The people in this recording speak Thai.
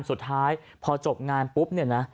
สุดท้ายพอจบงานปุ๊บเนี่ยนะ